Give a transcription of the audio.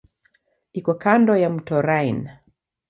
Iko kando ya mto Rhine.